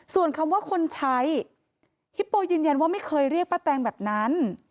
ส่วนคำว่าคนใช้ฮิปโปยืนยันว่าไม่เคยเรียกป้าแตงแบบนั้น